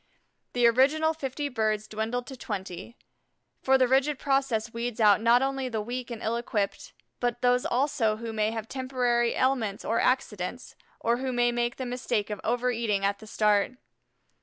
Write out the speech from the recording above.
The original fifty birds dwindled to twenty, for the rigid process weeds out not only the weak and ill equipped, but those also who may have temporary ailments or accidents, or who may make the mistake of over eating at the start.